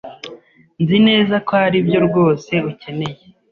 Nzi neza ko aribyo rwose ukeneye.